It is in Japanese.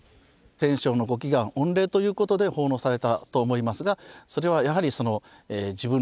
戦勝の御祈願御礼ということで奉納されたと思いますがそれはやはりその自分の身近なもの